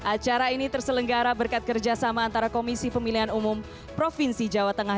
acara ini terselenggara berkat kerjasama antara komisi pemilihan umum provinsi jawa tengah